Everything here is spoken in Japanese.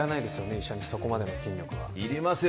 医者にそこまでの筋力はいりますよ